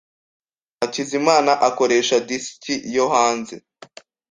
Hakizimana akoresha disiki yo hanze.